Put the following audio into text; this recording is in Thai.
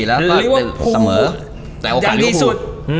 หรือว่าภูยังดีสุด